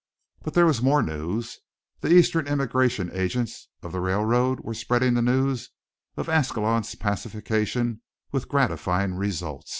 But there was more news. The eastern immigration agents of the railroad were spreading the news of Ascalon's pacification with gratifying result.